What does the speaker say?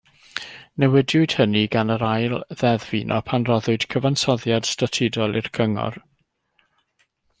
Newidiwyd hynny gan yr Ail Ddeddf Uno pan roddwyd cyfansoddiad statudol i'r cyngor.